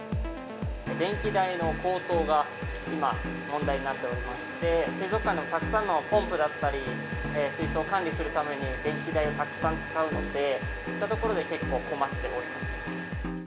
電気代の高騰が今、問題になっておりまして、水族館はたくさんのポンプだったり、水槽を管理するために電気代をたくさん使うので、そういったところで結構、困っております。